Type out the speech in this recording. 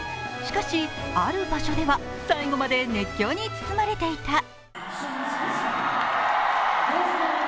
しかし、ある場所では、最後まで熱狂に包まれていた。